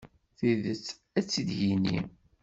Tidet, ad tt-id-yini.